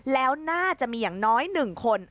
แล้วน่าจะมีอย่างน้อย๑คน